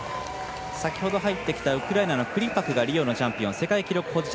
先ほど入ってきたウクライナのクリパクがリオのチャンピオン世界記録保持者。